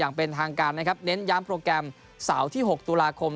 อย่างเป็นทางการนะครับเน้นย้ำโปรแกรมเสาร์ที่๖ตุลาคม